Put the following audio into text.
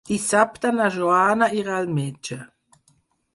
Dissabte na Joana irà al metge.